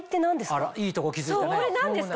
あらいいとこ気付いたね。